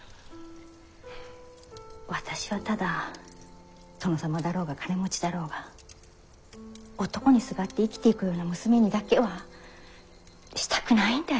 私はただ殿様だろうが金持ちだろうが男にすがって生きていくような娘にだけはしたくないんだよ。